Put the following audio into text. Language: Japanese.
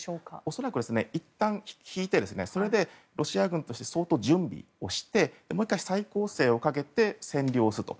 恐らくいったん引いてロシア軍として準備をしてもう１回再攻勢をかけて占領すると。